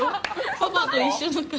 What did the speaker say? パパと一緒の顔。